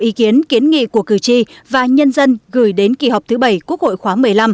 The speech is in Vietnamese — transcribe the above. ý kiến kiến nghị của cử tri và nhân dân gửi đến kỳ họp thứ bảy quốc hội khóa một mươi năm